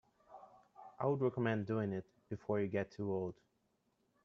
I would recommend doing it before you get too old.